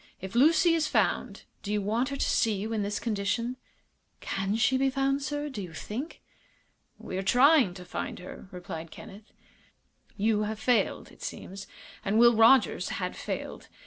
If Lucy is found do you want her to see you in this condition?" "Can she be found, sir, do you think?" "We are trying to find her," replied Kenneth. "You have failed, it seems, and Will Rogers had failed.